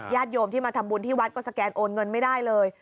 โยมที่มาทำบุญที่วัดก็สแกนโอนเงินไม่ได้เลย